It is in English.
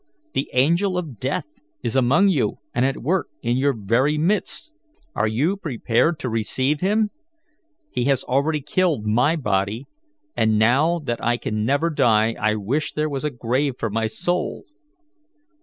The angel of death is among you and at work in your very midst. Are you prepared to receive him? He has already killed my body, and now that I can never die I wish there was a grave for my soul.